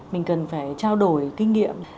mình cần phải trao đổi kinh nghiệm